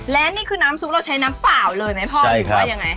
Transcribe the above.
และนี่คือน้ำซุปเราใช้น้ำเปล่าเลยไหมพ่อหรือว่ายังไง